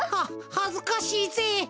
ははずかしいぜ。